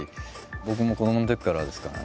僕も子どものときからですからね。